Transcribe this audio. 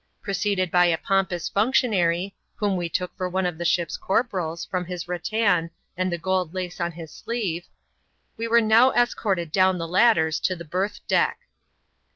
Preceded by a pompous functionary (whom we took for one of the ship's corporals, from his ratan and the gold lace on his sleeve), we were now escorted down the ladders to the berth deck.